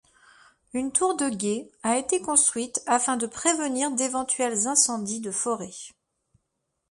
Une tour de guet a été construite afin de prévenir d'éventuels incendies de forêt.